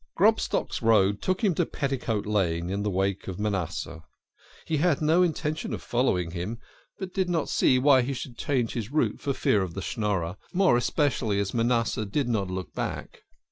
Grobstock's road took him to Petticoat Lane in the wake of Manasseh. He had no intention of following him, but did not see why he should change his route for fear of the Schnorrer, more especially as Manasseh did not look back.